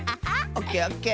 オッケーオッケー！